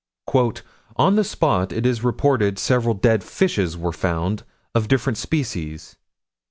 "On the spot, it is reported, several dead fishes were found, of different species."